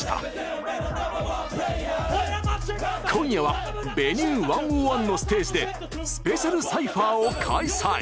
今夜は「Ｖｅｎｕｅ１０１」のステージでスペシャルサイファーを開催。